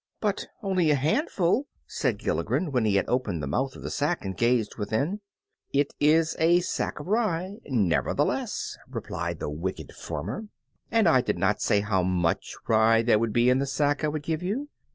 "But only a handful!" said Gilligren, when he had opened the mouth of the sack and gazed within it. "It is a sack of rye, nevertheless," replied the wicked farmer, "and I did not say how much rye there would be in the sack I would give you.